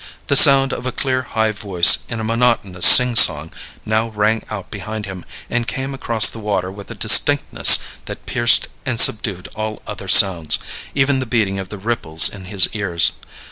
The sound of a clear, high voice in a monotonous singsong now rang out behind him and came across the water with a distinctness that pierced and subdued all other sounds, even the beating of the ripples in his ears.